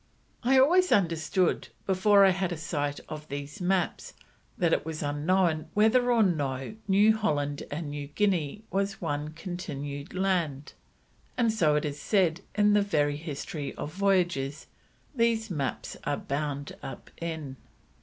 "I always understood, before I had a sight of these maps, that it was unknown whether or no New Holland and New Guinea was one continued land, and so it is said in the very History of Voyages these maps are bound up in.